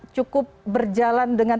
cukup berjalan dengan